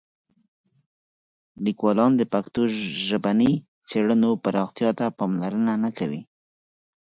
لیکوالان د پښتو د ژبني څېړنو پراختیا ته پاملرنه نه کوي.